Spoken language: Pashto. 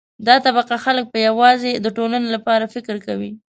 دا طبقه خلک به یوازې د ټولنې لپاره فکر کوي.